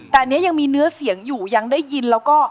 แต่อันนี้ยังมีเนื้อเสียงอยู่ยังได้ยินแล้วก็